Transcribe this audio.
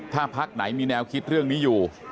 ถ้าพักไหนมีแนวคิดเรื่องนี้อยู่